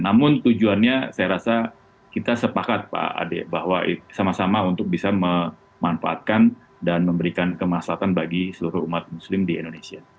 namun tujuannya saya rasa kita sepakat pak ade bahwa sama sama untuk bisa memanfaatkan dan memberikan kemaslahan bagi seluruh umat muslim di indonesia